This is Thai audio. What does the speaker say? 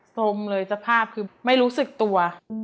สมเลยสภาพคือไม่รู้สึกตัว